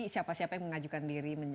siapa siapa yang mengajukan diri